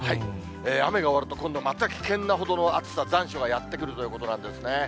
雨が終わると、また今度、危険なほどの暑さ、残暑がやって来るということなんですね。